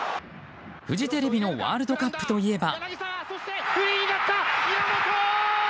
フジテレビのワールドカップといえば。